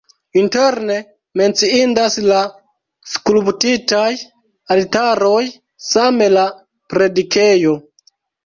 Interne menciindas la skulptitaj altaroj, same la predikejo.